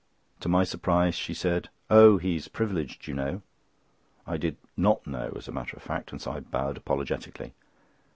To my surprise she said: "Oh! he is privileged you know." I did not know as a matter of fact, and so I bowed apologetically.